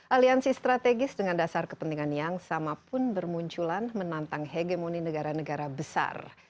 aliansi strategis dengan dasar kepentingan yang sama pun bermunculan menantang hegemoni negara negara besar